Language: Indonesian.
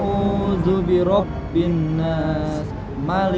untuk membuat actually